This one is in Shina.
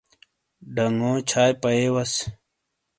ڈنگو چھائی پَئیے وس۔